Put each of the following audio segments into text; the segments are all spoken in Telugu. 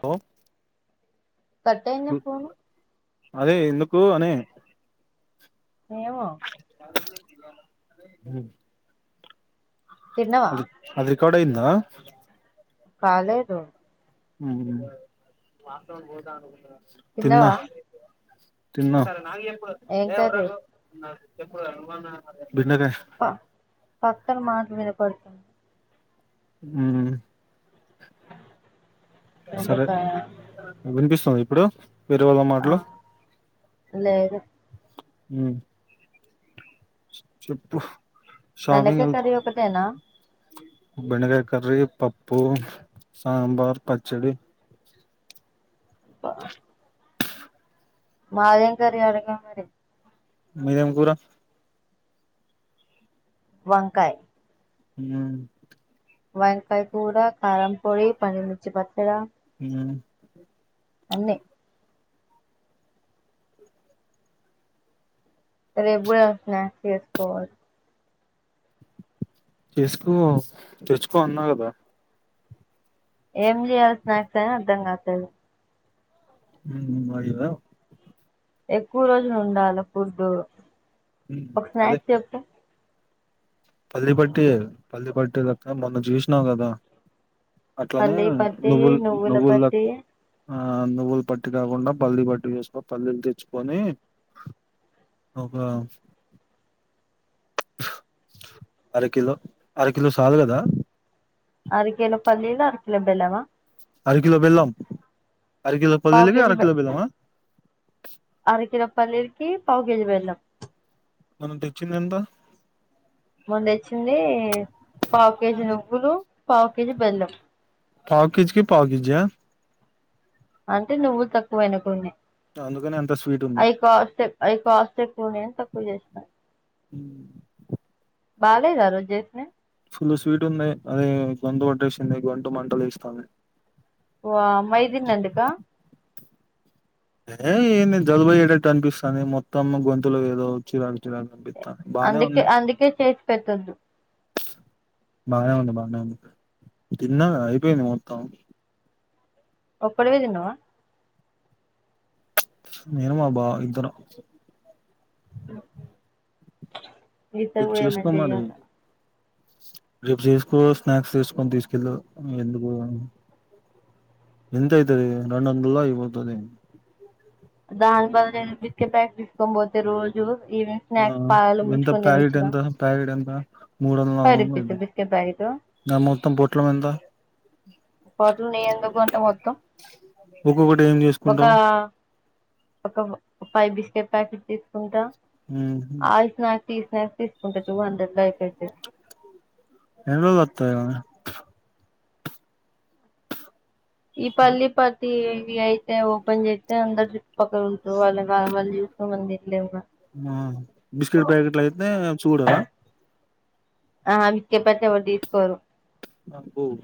హలో కట్ అయిందా ఫోను అదే ఎందుకు అనే ఏమో హ్ తిన్నవా అది అది రికార్డు అయ్యిందా కాలేదు హ్ తీన్నవా తిన్న ఏ వకు చెప్పురా నువ్వన్నా మరే ప పక్కన మాటలు విన పడుతుంది. హ్ సరే బెండకాయ విపిస్తుంద ఇప్ ఇప్పుడు వేరే వాళ్ళ ఆ మాటలు లేదు హ్ చెప్పు షాపింగ్ బెండకాయ వెళ్తా కర్రీ ఒకటెనా బెండకాయ కర్రీ పప్పు సాంబార్ పచ్చడి [unintelligible] మాదెం కర్రి అడగరా మరి మీదేం కూర వంకాయ్ హ్ వంకాయ కూర కారంపొడి పండుమిర్చి పచ్చడ హ్మ్ అన్నీ రేపు గూడా స్నాక్స్ చేసుకోవాలి చేసుకో తెచ్చుకో అన్నా కదా ఏం చేయాల స్నాక్స్ అయినా అర్ధం కాట్లేదు హ్మ్ హ్మ్ మాగలేదా ఎక్కువ రోజులు ఉండాల ఫుడ్డు ఒక స్నాక్ చొప్పు పల్లీ పట్టి పల్లీ పట్టి మొన్న చూసినావు కదా అట్లనే పల్లి పట్టి నువ్వుల్ నువ్వుల నువ్వుల్ పట్టి ఆ నువ్వులు పట్టి కాకుండా పల్లీ పట్టు చేసుకొ పల్లీలు తెచ్చుకొని ఒక అరకిలో అరకిలో సాలు గదా అరికేలో పల్లీలు అరికిలో బెల్లమా అలకిలో బెల్లం అరకిలో పల్లీలకు అరకిలో బెల్లమా అరకేజీ పల్లీలకు పావుకేజీ బెల్లం మనం తెచ్చింది ఎంత మొన్ తెచ్చింది పావు కేజీ నువ్వులు పావు కేజీ బెల్లం పావు కేజ్కి పావు కిజీయా అంటే నువ్వుల్ తక్కువయినయి కొన్ని అందుకని అంత స్వీట్ ఉంది ఐయి కాస్ట్ ఐయి కాస్ట్ ఎక్కువ ఉన్నాయని తక్కువ చేసిన హ్మ్ బాలేదా ఆరోజ్ చేసినయ్ ఫుల్ స్వీట్ ఉంది అదే గొంతు పట్టేసింది గొంతు మంట లేస్తాంది వామ్మో ఇది తిన్నందుకా అదే ఏంది జలుబయేటట్టు అనిపిస్తాంది మొత్తం గొంతులో ఏదో చిరాకు చిరాకు అనిపిత్ అందుకే అందుకే చేస్ పెట్టొద్దు బాగానే ఉంది బాగానే ఉంది తిన్నాగా అయిపోయింది మొత్తం ఒక్కడివే తిన్నావా నేను మా బావ ఇద్దరం ఇత రేపు గూడా ఏమైనా చేసుకో మరి చేయలా రేపు చేసుకో స్నాక్స్ చేసుకొని తీసుకెళ్ళు ఎందుకు ఎంత అయితది రెండు వందల్లో అయిపోతది దాని బదులు ఎమన్న బిస్కెట్ ప్యాకెట్ తి కొంబోతే రోజు ఈవినింగ్ ఆ స్నాక్స్ పాలల్లో ఎంత ముంచుకొని ప్యారిడ్ తినొచ్చుగా ఎంత ప్యారిడ్ ఎంత మూడు వందల నాలుగు ఫైవ్ వందలు రూపిస్ అయితది బిస్కెట్ ప్యాకెట్ దాని మొత్తం పొట్లం ఎంత పొట్లం నేను ఎందుగొంట మొత్తం అవ్వె ఉమ్ ఇంకొకటి ఏం చేసుకుంటావ్ ఫై బిస్కెట్ ప్యాకెట్ తీసుకుంటా ఉ టీ స్నాక్స్ తీసుకుంటే టూ హండ్రెడ్ల అయిపోతది ఎన్ రోజులు వత్తయ్ అవి ఈ పల్లి పతీ ఇవి అయితే ఓపెన్ చేత్తె అందరూ చుట్టు పక్కల ఉంటురూ వాళ్ళె గా మంది తిసుకోమని తిన్ ఉ బిస్కెట్ ప్యాకెట్లు అయితే చూడరా ఆ అవిచ్చెపటె ఎవర్ తీసుకోరు ఉమ్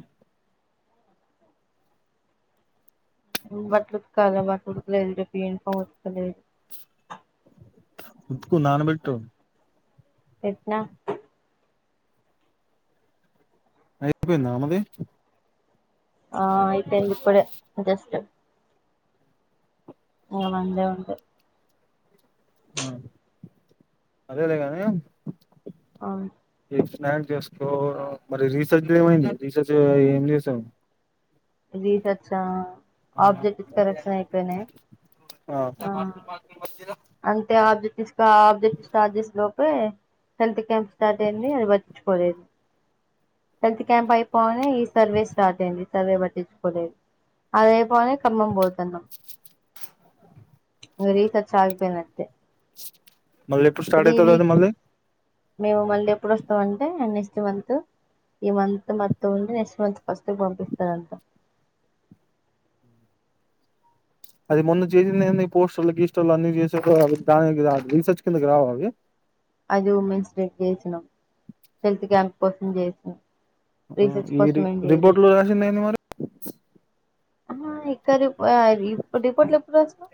నువ్ బట్లుతకలే మా కొడుకులది రేప్ యూనిఫమ్ ఉతకలేదు ఉత్కు నానబెట్టు పెట్నా అయిపోయిందా ఆమది ఆ అయిపొయింది ఇప్పుడే జస్ట్ ఇగ మండే ఉంటాయ్ ఉ అదేలేగానీ అవును స్నాక్ చేసుకో మరి రీసెర్చ్ ఏమైంది రీసెర్చ్ ఏం చేసావ్ రీసెర్చ్ ఆ ఆ ఆబ్జెక్ట్ కరెక్షన్ అయిపోఇనయ్ ఆ అంతే ఆబ్జెక్టిస్ ఆబ్జెక్టి స్టార్ట్ చేస్ లోప్ పే హెల్త్ ల్ క్యాంప్ స్టార్ట్ అయింది అది పట్టించుకోలేదు హేల్త్ క్యాంప్ అయిపోనే ఈ సర్వే స్టార్ట్ అయింది సర్వే పట్టించుకోలేదు అది అయిపో గానే ఖమ్మం పోతన్నాం ఇగ రీసెర్చ్ ఆగిపోయిందండి కే మళ్ ఎప్పుడు స్టార్ట్ అయితది అది వీక్స్ మళ్ళీ మేము మళ్ళీ ఎప్పుడు వస్తామఅంటే నెక్స్ట్ మంత్ ఈ మంత్ మొత్తం ఉండి నెక్స్ట్ మంత్ ఫస్ట్ పంపిస్తా పంపిస్తాడట అది మొన్న చేసిందిఏంది పోస్టర్లు గీస్టర్లు అన్ని చేసే వ్ గా దానికి రా రీసెర్చ్ కిందకి రావ అవి అది ఉమెన్స్ డేకి చేసినాం హెల్త్ క్యాంప్ కోసం చేసినాం ఆ రీసెర్చ్ ఈ కోసం రి ఏం రిపోర్ట్ చేయలేదు లో రాసింది ఏంది మరి ఆహా ఇక్క రిప్పు ఆ రిప్ రిపోర్ట్లు ఎప్పుడు రాస్నవ్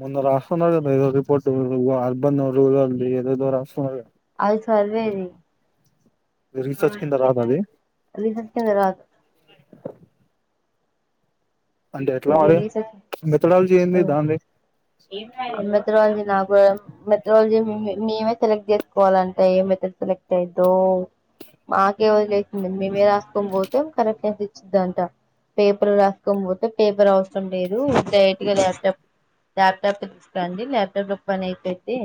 ముందు రాసద రిపోర్ట్ అర్బన్ ది ఏదోదో రాస్తునర్ కదా అది సద్వేది ఇది రీసెర్చ్ కింద రాదు అది రీసెర్చ్ తర్వాత అంటే ఎట్లా ఏదో మరి రీసెర్చ్ మెథడాలజీ ఏంది ఉ దాంది ఆ మెతడాలజీని ఆపుదాం బట్ జాబ్ జేసింది మేమే సెలెక్ట్ చేసుకోవాలంట ఏ మెథడ్ సెలెక్ట్ అయిందో మాకే వదిలేసింది మేమే రాసుకో పోతే కరెక్షన్స్ ఇచ్చిద్దంట పేపర్ రాసుకో బోతే పేపర్ అవసరం లేదు డైరెట్ గా ల్యాప్టాప్ లప్టాప్ తీసుకురండి ల్యాప్టాప్ లో పని అయిపోతే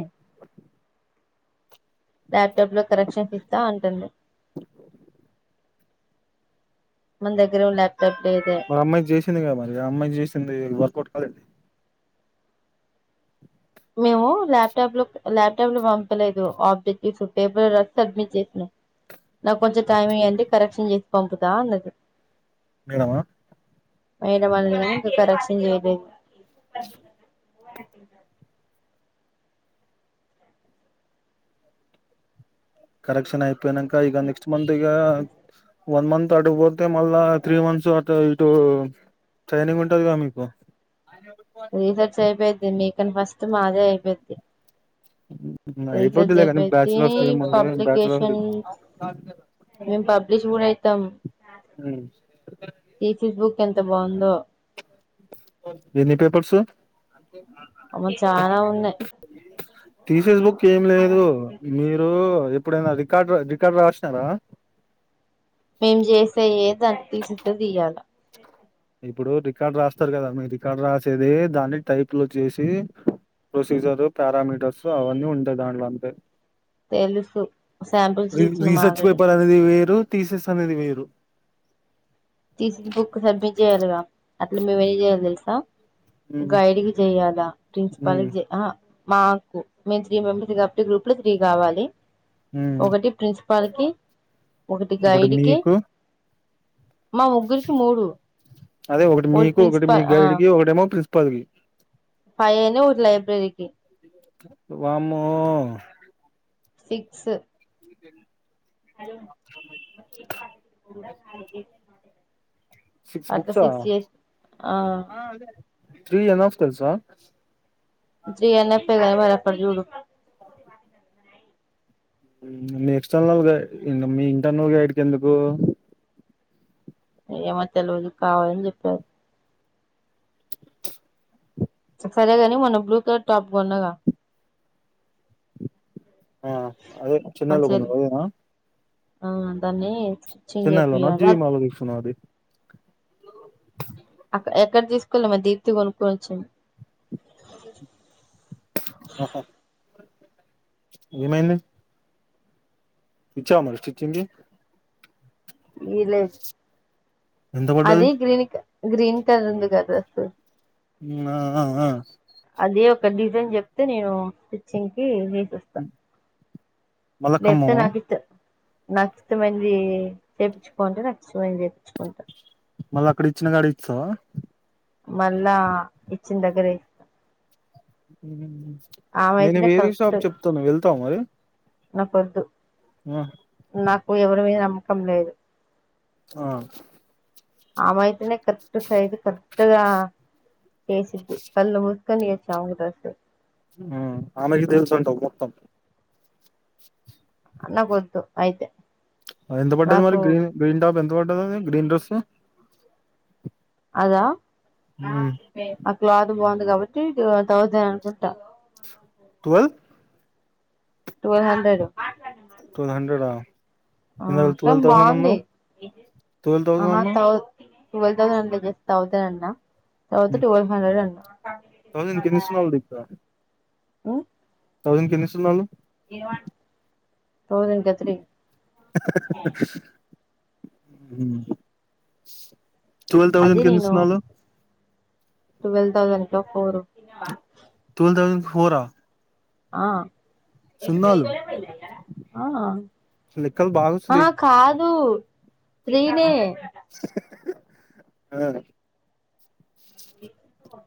ల్యాప్టాప్ లో కరెక్షన్స్ ఇస్తా అంటండు మందగ్ర ఒ లాప్ మరి అమ్మాయి చేసిందిగా మరి ఆ అమ్మాయి చేసింది అది వర్కౌట్ కాలేది మేము ల్యాప్టాప్ లో ల్యాప్టాప్ లో పంపలేదు ఆబ్జెక్టివ్స్ పేపర్ రాసి సబ్మిట్ చేసినా నాకు కొంచెం టైం ఇయండి కరెక్షన్ చేసి పంపుతా అన్నది మేడమా మేడం అనలేదు ఇంకా కరప్షన్ జేయలేదు కరెక్షన్ ఆయి ప్పనంక ఇగ నెక్స్ట్ మంత్ ఇగా వన్ మంత్ అటుగపోతే మళ్ళా త్రీ మంత్స్ అటు ఇటు ట్రైనింగ్ ఉంటుందిగద మీకు రీసెర్చ్ అయిపోద్ధి మీక్ కాని ఫస్ట్ మాదే అయిపోద్ది ఉ ఉ ఐపోద్ది కదా అనీ బ్యాచులర్ఫ్ [unintelligible] బ్యాచులర్ పబ్లికేషన్ డిసూర్ ఐతం ఉ బుక్ ఎంత బాగుందో ఎన్ని పేపర్సు అమ్మో చానా ఉన్నాయి తీసేస్ బుక్ ఏం లేదు మీరు ఏప్పుడైనా రికార్డ్ ర రికార్డ్ రాసినారా మేం చేసేయ దాంట్ల తీసితే తీయాల ఇప్పుడు రికార్డు రాస్తారు కదా మీ రికార్డు రాసేది దాన్ని టైప్లు చేసి ప్రొసీజర్ పారామీటర్స్ అవన్నీ ఉంటాయి దాంట్లో అంతె తెలుసు శాంపిల్స్ ఇచ్చినం ఆల్రెడీ తీసేస్ అనేది మీరు థీసిస్ బుక్ సబ్మిట్ చేయాలిగా అట్లా మేము ఏం చేయాలి తెలుసా ఉమ్ గైడ్కి జేయలా ఉమ్ ప్రిన్సిపాల్కి జెయ్ అహ మాకు మేము త్రీ మెంబర్స్ కాబట్టి గ్రూప్ లో త్రీ కావాలి ఉమ్ ఒకటి ప్రిన్స్ పల్ కి ఒకటి గైడ్కి మా ముగ్గురికి మూడు అదే ఒకటి మీకు ఒకటి మీ ప్రిన్సిపాల్ ఆ గైడ్ కి ఒకటేమో ప్రిన్సి పాల్ కి ఫైవ్ అయినయి ఒకటి లైబ్రరికి వామ్మో సిక్స్ [unintelligible] హలో మాకు [unintelligible] సిక్స్ బుక్స్ ఆ ఆ అదే అదే త్రీ అండ్ హాఫ్ తెలుసా త్రీ అన్నపుడేకదా మనం అటు చూడు మీ ఎక్స్టర్నల్ గై మీ ఇంటర్నల్ గైడ్ కు ఎందుకు ఏమో తెల్వదు కావాలని చెప్పారు సరేగాని మొన్న బ్లూ కలర్ టాప్ కొన్నగా ఆ అదే మా చెన్నైలో చెల్లి కొన్నది అదేనా ఆ దన్ని చెన్నైలోనా జీవీ మాల్లో తీసుకున్నావా అది ఎక్కడ తీసుకోలే మా దీప్తి కొనుక్కోనీ వచ్చింది హా హా ఏమైంది ఇచ్చావ మరి స్టిచ్టింగ్ కి ఇలే ఎంత పడ్డది అది గ్రీను క గ్రీన్ కలర్ ఉందిగా డ్రెస్సు ఆ ఆ ఆ అదే ఒక డిజైన్ చెప్తే నేను స్టిచ్చింగ్ కి ఇస్తా మళ్ళా దీప్తి ఖమ్మమా నాక్ ఇచ్ నాక్ ఇష్టం అయింది చేప్పించుకో అంటే నాకు ఇష్టం అయింది చేప్పిచ్చుకుంటా మళ్ళ అక్కడ ఇచ్చినకాడ ఇస్తావా మళ్ళా ఇచ్చిన దగ్గరే ఇస్తా ఆమె నేను అయితేనే వేరే షాప్ చెప్తాను వెళ్ ళ్తవా మరి నాకోద్దు ఆ నాకు ఎవరు మీద నమ్ కం లేదు ఆ ఆమె ఆయితేనే కట్ సైజు కరక్ట్గా చేసిద్ది కళ్ళు [unintelligible] డ్రెస్ ఆమెకి తెలుసు అంటావు మొత్తాం అన్నా కొద్దు అయితే ఎంత పడ్డది మరి నాకు గ్రీన్ గ్రీన్ టాప్ ఎంత ఎంత పడ్డది అది గ్రీన్ డ్రెస్ అదా ఆ క్లాత్ బాగుంది కాబట్టి ఇది తౌసాండ్ అనుకుంటా twelve twelve hundred twelve hundred ఆ ఆ ఇందాక ట్వెల్వ్ కానీ థౌసండ్ బాగుంది అన్నావు ట్వెల్వ్ థౌసండ్ ఆహా అన్నావు తౌ టువల్వ్ తౌసండ్ అనలేదు తౌసండ్ అన్న [unintelligible] హండ్రెడ్ తౌసండ్ కి తిసుకున్నావని చెప్ప హు తౌసండ్ కి ఎన్ని సున్నాలు తౌసండ్ కా త్రీ హు టువల్వ్ థౌజండ్ కి ఎన్ని సున్నాలు టువల్వ్ తౌసండ్ క పోరు టువల్వ్ తౌసండ్ కీ ఫోర్ ఆ ఆ ఆహా లెక్కలు బాగొస్తుంది ఆ కాదు దు త్రి నే ఆ [inaudible]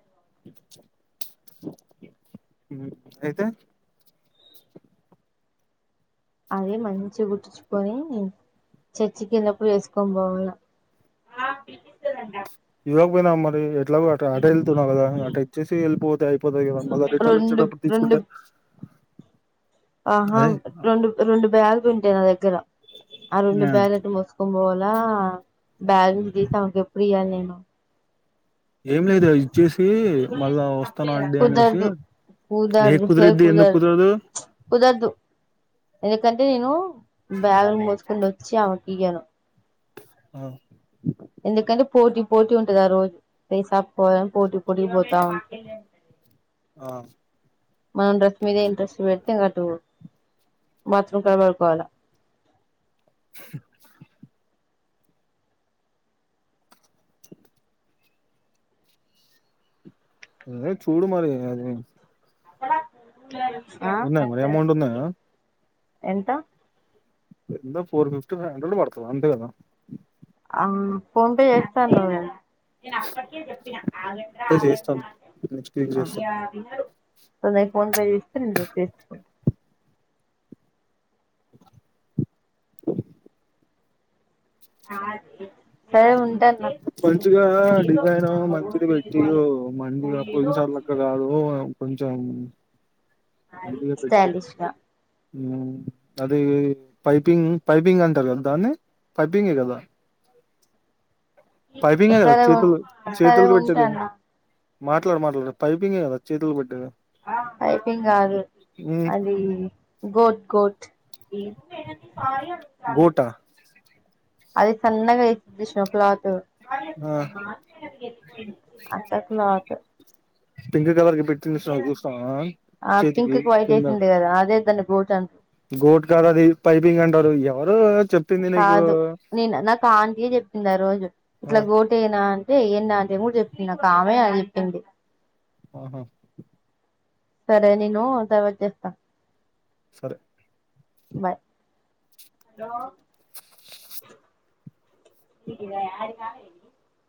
అయితే అదే మంచిగా కుట్టిచ్చుకొని చర్చ్చికి వెళ్ళిన్నప్పుడు వేసుకొని పోవాల [unintelligible] మరి అట్లా అట వెళ్తున్నావు కదా అట ఇచ్చేసి వెళ్ళిపోతే అయిపోతాయి కదా మళ్ళీ రిటర్న్ రెండు వచ్చేటప్పుడు రెండు తీసుకుంటే ఆహా అదే రెండు రెండు బ్యాగ్ నా దగ్గర అరుండు బ్యాలెట్ మోసుకు పోవాలి ఆ బగీఅకు [unintelligible] ఎప్పుడ ఐయాలి నేను ఏం లేదు వచ్చేసి మళ్ళా వస్తాను అండి అనేసి కుదరదు ఏ కుదరదు హే కుదిరరిద్ది ఎందుకు కుదరదు కుదరదు ఎందుకంటే నేను బ్యాగుని మోసుకుని వచ్చి ఆమెకిిగాను ఆ ఎందుకంటే పోటీ పోటీ ఉంటదా రోజు పేసాపుకో వాలని పోటీ పోటీ పోతా ఉంటా ఆ మనం డ్రస్ మీదే ఇంట్రెస్ట్ పెడితే కాటు బాత్రూమ్ కలబడుకోవాల [unintelligible] ఏ చూడు మరి అది [inaudible] ఉన్నా మర అమౌం ఉంద ఎంత ఎందా ఫోర్ ఫిఫ్టీ ఫైవ్ హండ్రెడ్ పడుతుంది అంతే కదా ఆ ఫోన్ పే చేస్తాను నువ పే చేస్తాను నెక్స్ట్ వీక్ చేస్తా న్నా ఫోన్ పే చేస్త నీలో చెస్కో [inaudible] సరే ఉ మంచిగా డిజైన్ మంచిది పెట్టి మంచిగా పొయియినా కొదిసార్లు లక్క కాదు కొంచం స్టాలిష్ గా అది పైపింగ్ పైపింగ్ అంటారు కదా దాన్ని పైపింగే కదా [inaudible] పైపింగ్ కదా సరే ఉ చేతులు సరే చేతులకు పెట్టేదినా ఉంటాను మాట్లాడు మాట్లాడు పైపింగ్ కదా చేతులు పట్టిది పైపింగ్ ఆ ఉమ్ అది గోట్ గోట్ గోటా అది సన్నగా వేతుష్ క్లాత్ ఆ అంత క్లాత్ టింగార్ ఇవరకి పెట్టిచ్చిన చూస్తాం చేతికి కింద బోత అంత గోట్ గారుది పైపిగ్ అండారు ఎవరు చెప్పింది నీకు కాదు నేను నాకు ఆంటీయే చెప్పింది ఆ రోజు ఆ ఇట్లా గోటేనా అదే ఎన్ని అంతేమడు చెప్పంది నాక ఆమె అది చెప్పింది ఓహ సరే నేను తర్వాట చేస్తా సరే బే హలో